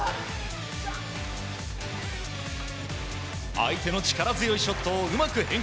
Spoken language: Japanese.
相手の力強いショットをうまく返球。